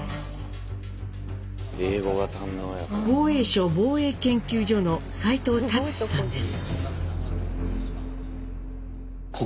防衛省防衛研究所の齋藤達志さんです。